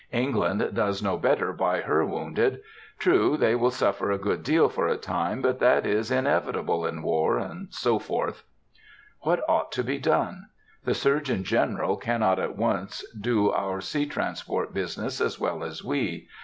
England does no better by her wounded; true, they will suffer a good deal for a time, but that is inevitable in war," &c. What ought to be done? The Surgeon General cannot at once do our sea transport business as well as we.